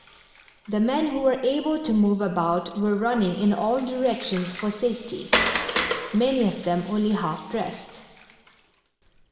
The men who were able to move about were running in all directions for safety, many of them only half dressed.